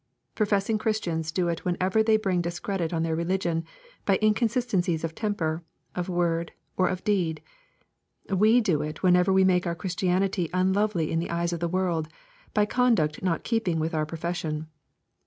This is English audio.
Professing Christians do it whenever they bring discredit on their religion by inconsistencies of temper, of wordy or of deed. We do it whenever we make our Christianity unlovely in the eyes of the world, by conduct not in keeping with our profession.